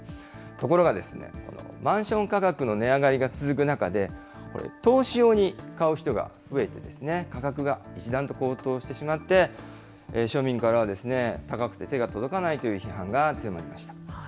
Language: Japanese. ところがですね、マンション価格の値上がりが続く中で、投資用に買う人が増えて、価格が一段と高騰してしまって、庶民からは、高くて手が届かないという批判が強まりました。